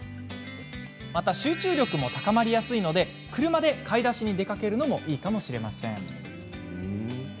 また、集中力も高まりやすいので車で買い出しに出かけるのもいいかもしれません。